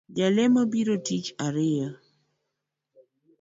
Jalemo biro tich ariyo